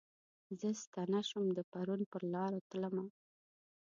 زه ستنه شوم د پرون پرلارو تلمه